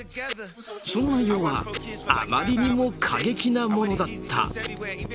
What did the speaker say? その内容はあまりにも過激なものだった。